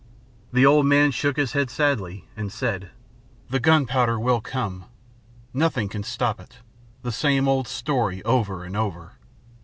The old man shook his head sadly, and said: "The gunpowder will come. Nothing can stop it the same old story over and over.